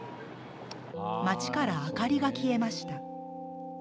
街から明かりが消えました。